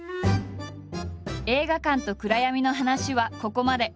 映画館と暗闇の話はここまで。